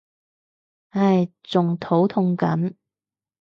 唉仲肚痛緊